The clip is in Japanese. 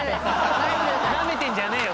なめてんじゃねえよ